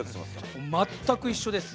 全く一緒です。